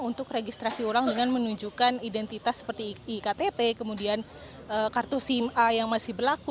untuk registrasi ulang dengan menunjukkan identitas seperti iktp kemudian kartu sima yang masih berlaku